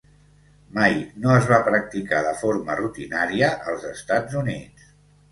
Mai no es va practicar de forma rutinària als Estats Units.